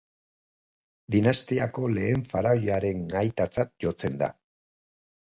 Dinastiako lehen faraoiaren aitatzat jotzen da.